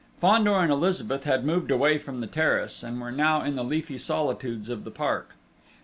Fandor and Elizabeth had moved away from the terrace, and were now in the leafy solitudes of the park.